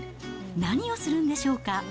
何をするんでしょうか。